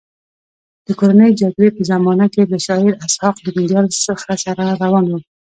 د کورنۍ جګړې په زمانه کې له شاعر اسحق ننګیال سره روان وم.